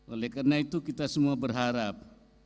oleh karena itu kita semua berharap